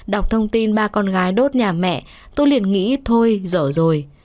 đọc thông tin ba con gái đốt nhà mẹ tôi liền nghĩ thôi dở rồi